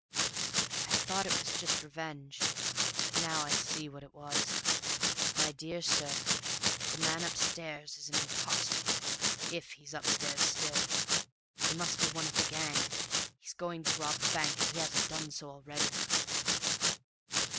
'I thought it was just revenge, but now I see what it was. My dear sir, the man upstairs is an imposter if he's upstairs still! He must be one of the gang. He's going to rob the bank if he hasn't done so already!'